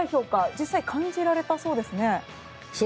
実際に感じられたそうですね。